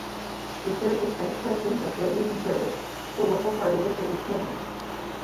He served as Vice President of Witney Conservatives, the local party of David Cameron.